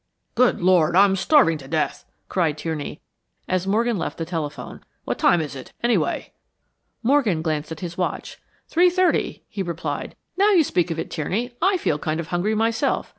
"Good Lord, I'm starving to death!" cried Tierney, as Morgan left the telephone. "What time is it, anyway?" Morgan glanced at his watch. "Three thirty," he replied. "Now you speak of it, Tierney, I feel kind of hungry, myself.